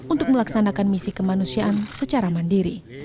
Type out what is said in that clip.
untuk melaksanakan misi kemanusiaan secara mandiri